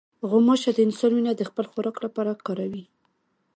غوماشه د انسان وینه د خپل خوراک لپاره کاروي.